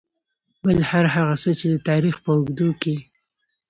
بل هر هغه څه چې د تاريخ په اوږدو کې .